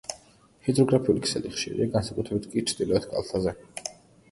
ჰიდროგრაფიული ქსელი ხშირია, განსაკუთრებით კი ჩრდილოეთ კალთაზე.